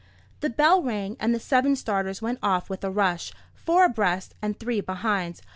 The bell rang, and the seven starters went off with a rush; four abreast, and three behind.